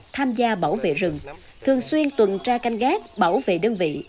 tham gia bảo vệ rừng thường xuyên tuần tra canh gác bảo vệ đơn vị